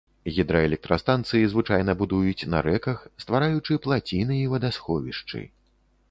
Гідраэлектрастанцыі звычайна будуюць на рэках, ствараючы плаціны і вадасховішчы.